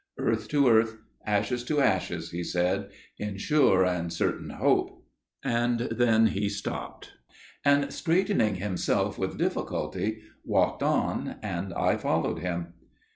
"Earth to earth, ashes to ashes," he said, "in sure and certain hope"––and then he stopped; and straightening himself with difficulty walked on, and I followed him.